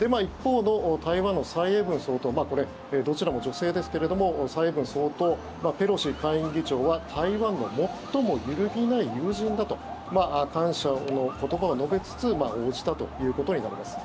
一方の台湾の蔡英文総統これ、どちらも女性ですけれども蔡英文総統、ペロシ下院議長は台湾の最も揺るぎない友人だと感謝の言葉を述べつつ応じたということになります。